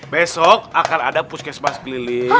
besok akan ada puskesmas keliling